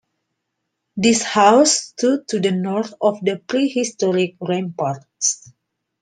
This house stood to the north of the prehistoric ramparts.